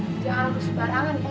heh jangan bersebarangan ya